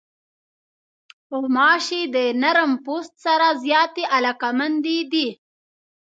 غوماشې د نرم پوست سره زیاتې علاقمندې دي.